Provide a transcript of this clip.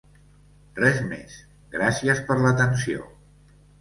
Res més, gràcies per l'atenció.